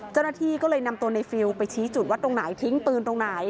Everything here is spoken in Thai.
เจ้าหน้าที่ก็เลยนำตัวในฟิลล์ไปชี้จุดว่าตรงไหนทิ้งปืนตรงไหน